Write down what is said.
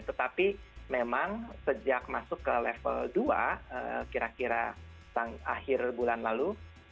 tetapi memang sejak masuk ke level dua kira kira akhir bulan lalu